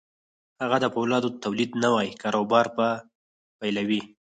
هغه د پولادو د تولید نوی کاروبار به پیلوي